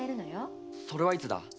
それはいつだ？